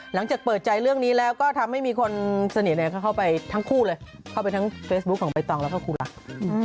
หลังจากเปิดใจเรื่องนี้แล้วก็ทำให้มีคนเสน่ห์เข้าไปทั้งคู่เลยเข้าไปทั้งเฟซบุ๊คของใบตองแล้วก็คู่รัก